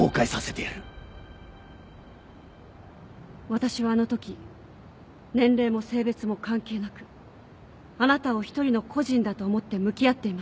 私はあのとき年齢も性別も関係なくあなたを一人の個人だと思って向き合っていました。